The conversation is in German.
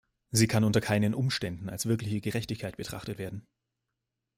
Sie kann unter keinen Umständen als wirkliche Gerechtigkeit betrachtet werden.